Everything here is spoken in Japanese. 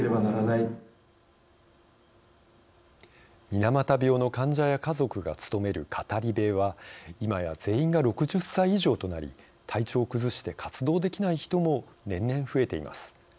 水俣病の患者や家族が務める語り部は今や全員が６０歳以上となり体調を崩して活動できない人も年々、増えています。